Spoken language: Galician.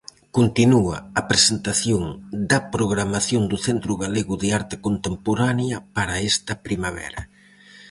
Continúa a presentación da programación do Centro Galego de Arte Contemporánea para esta primavera.